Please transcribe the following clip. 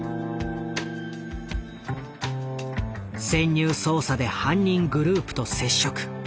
潜入捜査で犯人グループと接触。